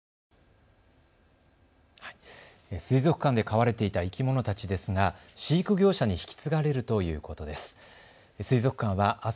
水族館で飼われていた生き物たちですが飼育業者に引き継がれるということです。